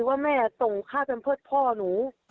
ว่าแม่ต้องฆ่าแค่เพิ่ดพ่อหนู